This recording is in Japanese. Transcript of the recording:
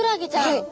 はい。